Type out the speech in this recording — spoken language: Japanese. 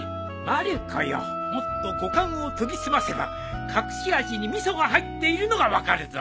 まる子よもっと五感を研ぎ澄ませば隠し味に味噌が入っているのが分かるぞ。